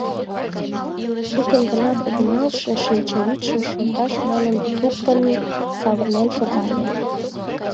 Лука гына, погыналше шинчавӱдшым шылташ манын, тупынь савырнен шогале.